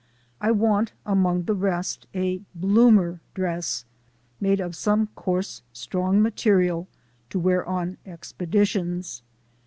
I want, among the rest, a bloomer dress, made of some coarse, strong material, to wear on expeditions.